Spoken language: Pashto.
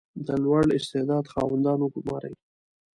• د لوړ استعداد خاوندان وګمارئ.